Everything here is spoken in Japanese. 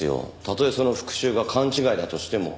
たとえその復讐が勘違いだとしても。